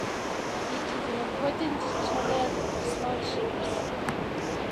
It is an important channel for small ships.